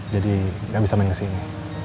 jadi gak bisa main kesini